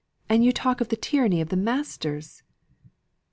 And you talk of the tyranny of the masters!"